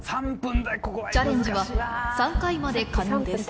チャレンジは３回まで可能です